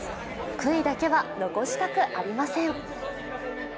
悔いだけは残したくありません。